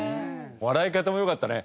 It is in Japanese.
笑い方も良かったね。